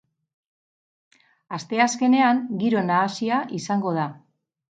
Asteazkenean giro nahasia izango da.